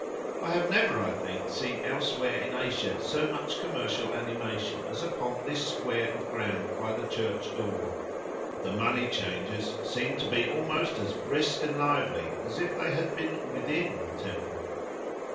I have never, I think, seen elsewhere in Asia so much commercial animation as upon this square of ground by the church door; the "money changers" seemed to be almost as brisk and lively as if they had been within the temple.